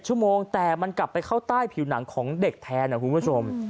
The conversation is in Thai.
ชั่วโมงแต่มันกลับไปเข้าใต้ผิวหนังของเด็กแทนนะคุณผู้ชม